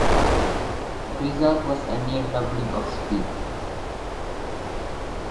The result was a near-doubling of speed.